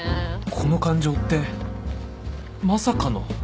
この感情ってまさかの？